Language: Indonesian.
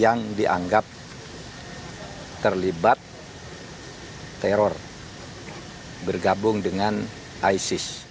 yang dianggap terlibat teror bergabung dengan isis